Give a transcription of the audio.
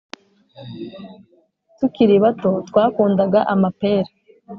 tukiri bato twakundaga amapera